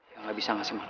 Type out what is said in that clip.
ya gak bisa gak sih mal